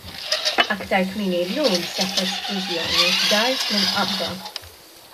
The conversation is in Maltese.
Aktar kmieni llum seħħet splużjoni f'dar fl-Imqabba.